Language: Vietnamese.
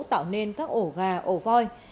tạo nên các ổ gà ổ voi